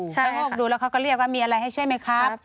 โงกดูแล้วเขาก็เรียกว่ามีอะไรให้ใช่ไหมครับ